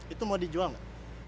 itu mau dijuang gak